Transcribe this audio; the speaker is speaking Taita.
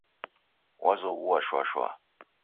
Wazoghua shwa shwa